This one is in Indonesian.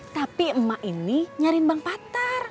tapi emak ini nyariin bank patar